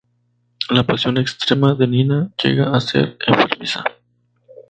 La pasión extrema de Nina llega a ser enfermiza.